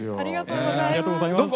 ありがとうございます。